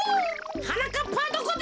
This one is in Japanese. はなかっぱはどこだ！